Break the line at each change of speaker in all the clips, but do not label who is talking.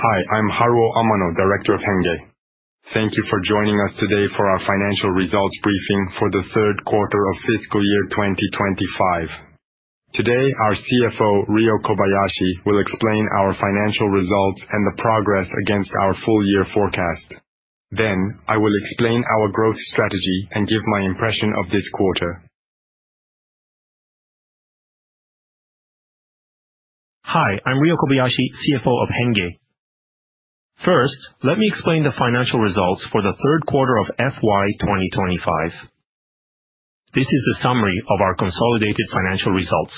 Hi, I'm Haruo Amano, Director of HENNGE. Thank you for joining us today for our Fnancial Results Briefing for the Third Quarter of Fiscal Year 2025. Today, our CFO, Ryo Kobayashi, will explain our financial results and the progress against our full-year forecast. I will explain our growth strategy and give my impression of this quarter.
Hi, I'm Ryo Kobayashi, CFO of HENNGE. First, let me explain the financial results for the third quarter of FY 2025. This is the summary of our consolidated financial results.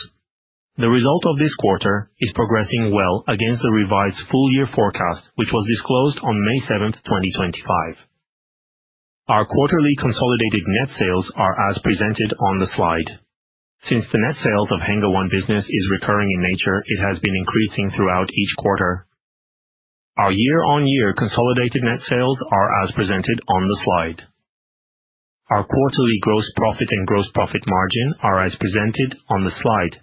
The result of this quarter is progressing well against the revised full-year forecast, which was disclosed on May 7, 2025. Our quarterly consolidated net sales are as presented on the slide. Since the net sales of HENNGE One Business are recurring in nature, it has been increasing throughout each quarter. Our year-on-year consolidated net sales are as presented on the slide. Our quarterly gross profit and gross profit margin are as presented on the slide.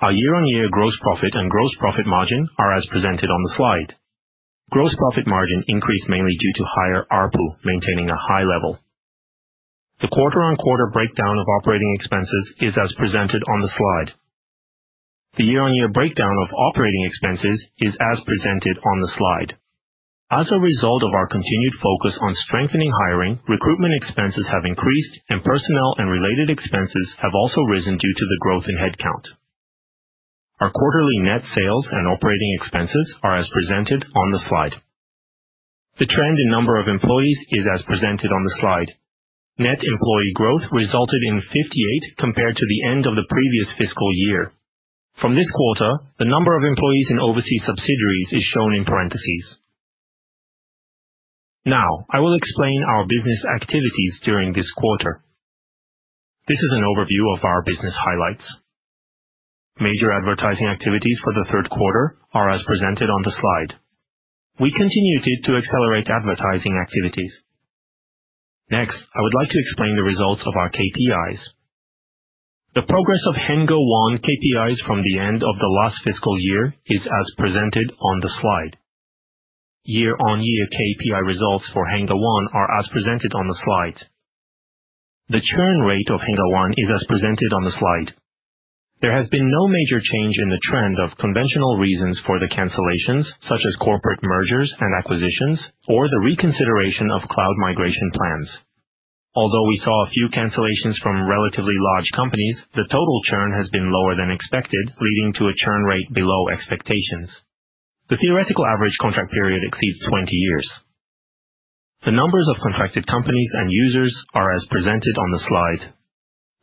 Our year-on-year gross profit and gross profit margin are as presented on the slide. Gross profit margin increased mainly due to higher ARPU, maintaining a high level. The quarter-on-quarter breakdown of operating expenses is as presented on the slide. The year-on-year breakdown of operating expenses is as presented on the slide. As a result of our continued focus on strengthening hiring, recruitment expenses have increased, and personnel and related expenses have also risen due to the growth in headcount. Our quarterly net sales and operating expenses are as presented on the slide. The trend in number of employees is as presented on the slide. Net employee growth resulted in a 58th compared to the end of the previous fiscal year. From this quarter, the number of employees in overseas subsidiaries is shown in parentheses. Now, I will explain our business activities during this quarter. This is an overview of our business highlights. Major advertising activities for the third quarter are as presented on the slide. We continued to accelerate advertising activities. Next, I would like to explain the results of our KPIs. The progress of HENNGE One KPIs from the end of the last fiscal year is as presented on the slide. Year-on-year KPI results for HENNGE One are as presented on the slide. The churn rate of HENNGE One is as presented on the slide. There has been no major change in the trend of conventional reasons for the cancellations, such as corporate mergers and acquisitions, or the reconsideration of cloud migration plans. Although we saw a few cancellations from relatively large companies, the total churn has been lower than expected, leading to a churn rate below expectations. The theoretical average contract period exceeds 20 years. The numbers of contracted companies and users are as presented on the slide.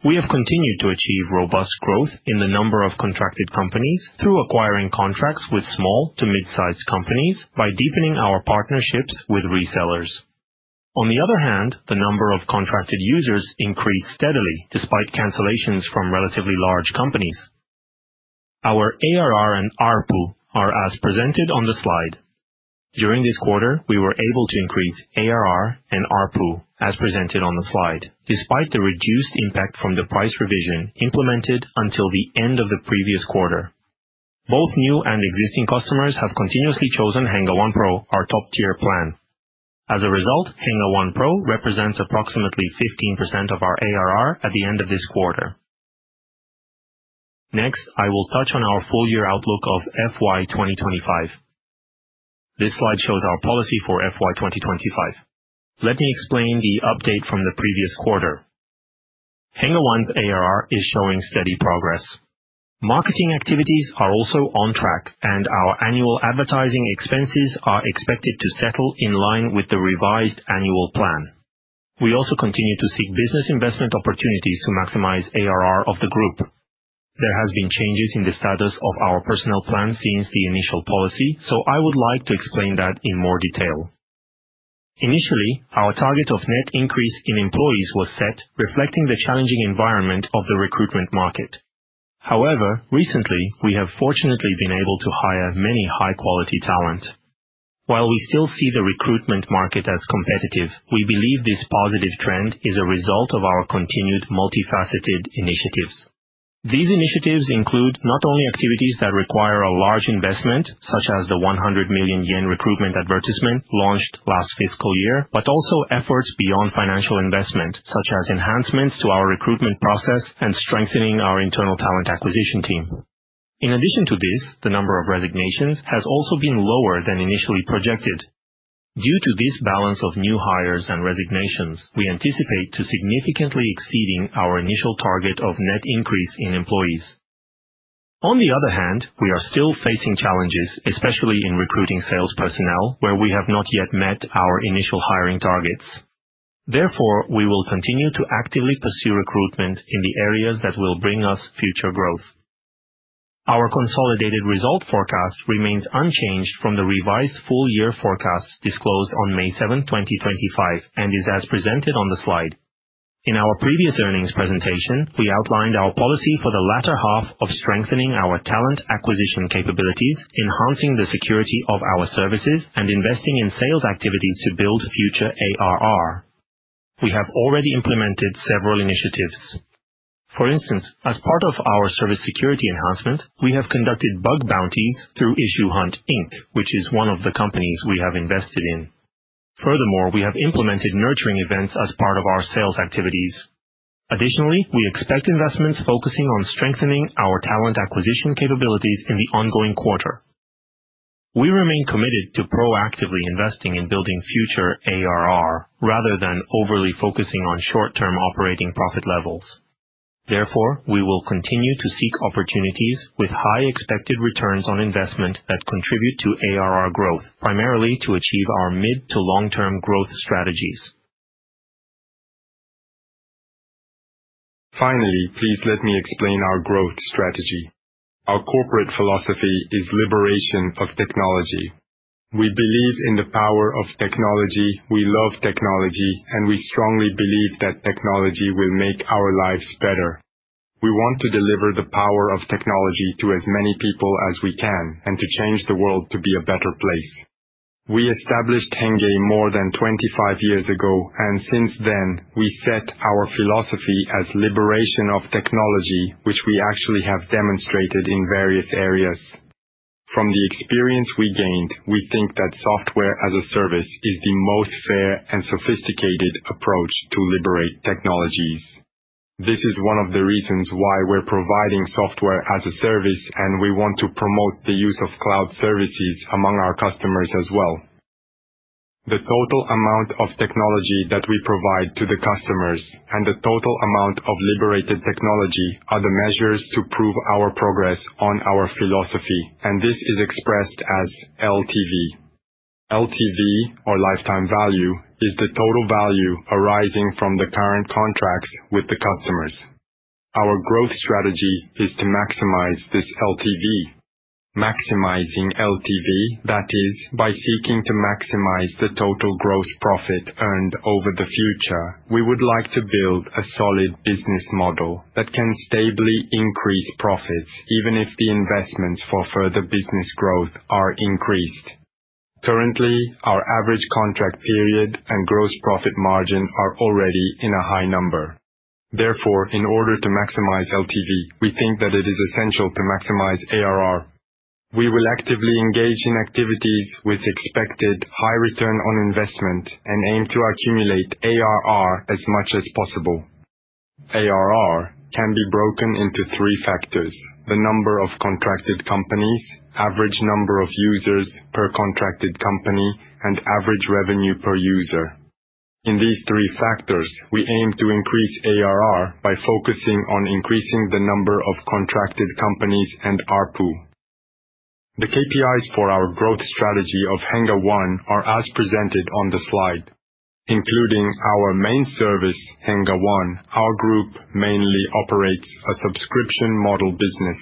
We have continued to achieve robust growth in the number of contracted companies through acquiring contracts with small to mid-sized companies by deepening our partnerships with resellers. On the other hand, the number of contracted users increased steadily despite cancellations from relatively large companies. Our ARR and ARPU are as presented on the slide. During this quarter, we were able to increase ARR and ARPU as presented on the slide, despite the reduced impact from the price revision implemented until the end of the previous quarter. Both new and existing customers have continuously chosen HENNGE One Pro, our top-tier plan. As a result, HENNGE One Pro represents approximately 15% of our ARR at the end of this quarter. Next, I will touch on our full-year outlook of FY 2025. This slide shows our policy for FY 2025. Let me explain the update from the previous quarter. HENNGE One's ARR is showing steady progress. Marketing activities are also on track, and our annual advertising expenses are expected to settle in line with the revised annual plan. We also continue to seek business investment opportunities to maximize ARR of the group. There have been changes in the status of our personnel plan since the initial policy, so I would like to explain that in more detail. Initially, our target of net increase in employees was set, reflecting the challenging environment of the recruitment market. However, recently, we have fortunately been able to hire many high-quality talent. While we still see the recruitment market as competitive, we believe this positive trend is a result of our continued multifaceted initiatives. These initiatives include not only activities that require a large investment, such as the 100 million yen recruitment advertisement launched last fiscal year, but also efforts beyond financial investment, such as enhancements to our recruitment process and strengthening our internal talent acquisition team. In addition to this, the number of resignations has also been lower than initially projected. Due to this balance of new hires and resignations, we anticipate significantly exceeding our initial target of net increase in employees. On the other hand, we are still facing challenges, especially in recruiting sales personnel, where we have not yet met our initial hiring targets. Therefore, we will continue to actively pursue recruitment in the areas that will bring us future growth. Our consolidated result forecast remains unchanged from the revised full-year forecast disclosed on May 7, 2025, and is as presented on the slide. In our previous earnings presentation, we outlined our policy for the latter half of strengthening our talent acquisition capabilities, enhancing the security of our services, and investing in sales activities to build future ARR. We have already implemented several initiatives. For instance, as part of our service security enhancements, we have conducted bug bounty through IssueHunt Inc., which is one of the companies we have invested in. Furthermore, we have implemented nurturing events as part of our sales activities. Additionally, we expect investments focusing on strengthening our talent acquisition capabilities in the ongoing quarter. We remain committed to proactively investing in building future ARR, rather than overly focusing on short-term operating profit levels. Therefore, we will continue to seek opportunity with high expected returns on investment that contribute to ARR growth, primarily to achieve our mid-to-long-term growth strategies.
Finally, please let me explain our growth strategy. Our corporate philosophy is liberation of technology. We believe in the power of technology, we love technology, and we strongly believe that technology will make our lives better. We want to deliver the power of technology to as many people as we can, and to change the world to be a better place. We established HENNGE more than 25 years ago, and since then, we set our philosophy as liberation of technology, which we actually have demonstrated in various areas. From the experience we gained, we think that software as a service is the most fair and sophisticated approach to liberate technologies. This is one of the reasons why we're providing software as a service, and we want to promote the use of cloud services among our customers as well. The total amount of technology that we provide to the customers and the total amount of liberated technology are the measures to prove our progress on our philosophy, and this is expressed as LTV. LTV, or lifetime value, is the total value arising from the current contracts with the customers. Our growth strategy is to maximize this LTV. Maximizing LTV, that is, by seeking to maximize the total gross profit earned over the future, we would like to build a solid business model that can stably increase profits even if the investments for further business growth are increased. Currently, our average contract period and gross profit margin are already in a high number. Therefore, in order to maximize LTV, we think that it is essential to maximize ARR. We will actively engage in activities with expected high return on investment and aim to accumulate ARR as much as possible. ARR can be broken into three factors: the number of contracted companies, average number of users per contracted company, and average revenue per user. In these three factors, we aim to increase ARR by focusing on increasing the number of contracted companies and ARPU. The KPIs for our growth strategy of HENNGE One are as presented on the slide. Including our main service, HENNGE One, our group mainly operates a subscription model business.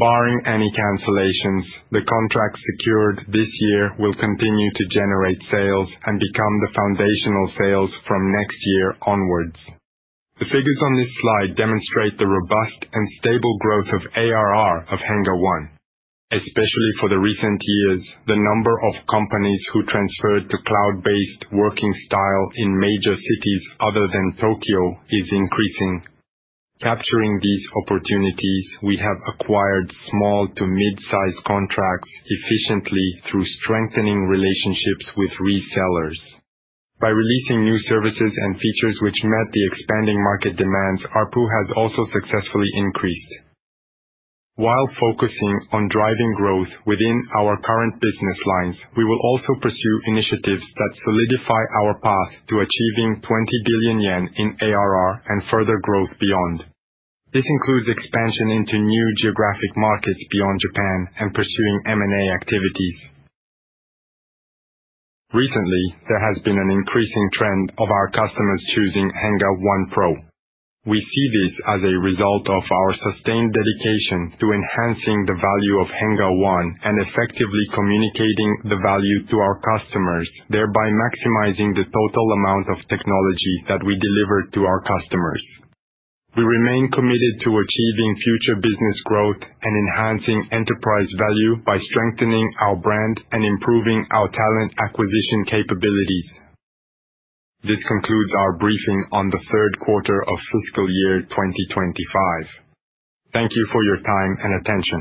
Barring any cancellations, the contracts secured this year will continue to generate sales and become the foundational sales from next year onwards. The figures on this slide demonstrate the robust and stable growth of ARR of HENNGE One. Especially for the recent years, the number of companies who transferred to cloud-based working style in major cities other than Tokyo is increasing. Capturing these opportunities, we have acquired small to mid-sized contracts efficiently through strengthening relationships with resellers. By releasing new services and features which met the expanding market demands, ARPU has also successfully increased. While focusing on driving growth within our current business lines, we will also pursue initiatives that solidify our path to achieving 20 billion yen in ARR and further growth beyond. This includes expansion into new geographic markets beyond Japan and pursuing M&A activities. Recently, there has been an increasing trend of our customers choosing HENNGE One Pro. We see this as a result of our sustained dedication to enhancing the value of HENNGE One and effectively communicating the value to our customers, thereby maximizing the total amount of technology that we deliver to our customers. We remain committed to achieving future business growth and enhancing enterprise value by strengthening our brand and improving our talent acquisition capabilities. This concludes our briefing on the third quarter of fiscal year 2025. Thank you for your time and attention.